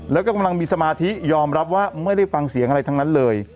แล้วก็กำลังมีสมาธิยอมรับว่าไม่ได้ฟังเสียงอะไรทั้งนั้นเลย